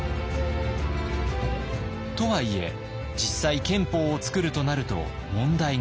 とはいえ実際憲法をつくるとなると問題が噴出。